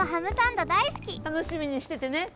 たのしみにしててね。